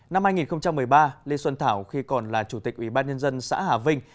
năm hai nghìn một mươi ba lê xuân thảo khi còn là chủ tịch ủy ban nhân dân xã hà vinh